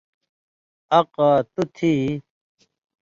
”اقا! تُو تھی یی؟“